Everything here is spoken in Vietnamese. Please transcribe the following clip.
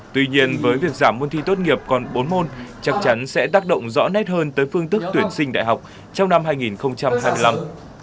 tuy nhiên với việc giảm môn thi tốt nghiệp còn bốn môn chắc chắn sẽ tác động rõ nét hơn tới phương thức tuyển sinh đại học trong năm hai nghìn hai mươi năm